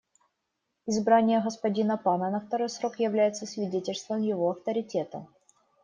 Избрание господина Пана на второй срок является свидетельством его авторитета.